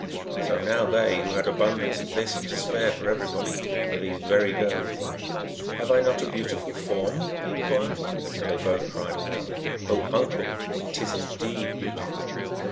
Now they who had abundance of this and to spare for THE MERRY TALES OF LOX. 153 everybody were these very girls. " Have I not a beautiful form ?" he inquired ; and they both cried aloud, " Oh, uncle, it is indeed beautiful